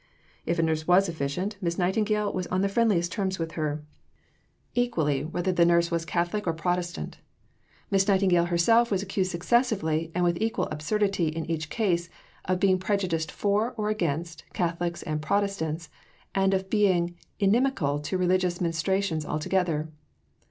If a nurse was efficient, Miss Nightingale was on the friendliest terms with her, equally whether the nurse were Catholic or Protestant. Miss Nightingale herself was accused successively, and with equal absurdity in each case, of being prejudiced for, or against, Catholics and Protestants, and of being inimical to religious ministrations altogether.